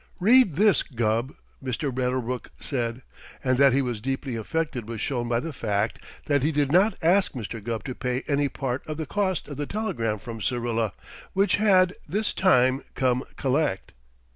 "Read this, Gubb," Mr. Medderbrook said; and that he was deeply affected was shown by the fact that he did not ask Mr. Gubb to pay any part of the cost of the telegram from Syrilla which had, this time, come "Collect."